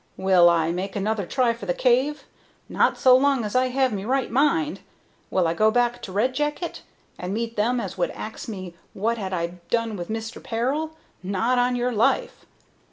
Will I make another try for the cave? Not so long as I have me right mind. Will I go back to Red Jacket? and meet them as would ax me what had I done with Mister Peril? Not on your life.